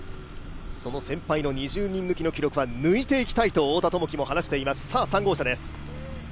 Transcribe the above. その先輩の２０人抜きの記録は抜いていきたいと、太田智樹は話しています。